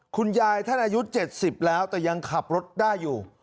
คุณยายท่านอายุ๗๐แล้วแต่ยังขับรถได้อยู่